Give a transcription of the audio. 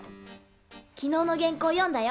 昨日の原稿読んだよ。